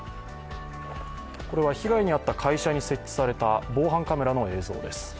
これは被害に遭った会社に設置された防犯カメラの映像です。